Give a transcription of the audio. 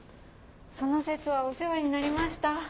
その節はお世話になりました。